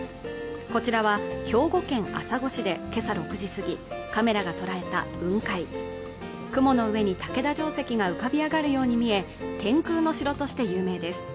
こちらは兵庫県朝来市でけさ６時すぎ、カメラが捉えた雲海雲の上に竹田城跡が浮かび上がるようにみえ天空の城として有名です。